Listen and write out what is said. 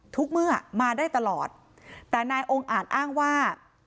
เมื่อมาได้ตลอดแต่นายองค์อาจอ้างว่า